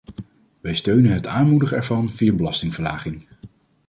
Wij steunen het aanmoedigen ervan via belastingverlaging.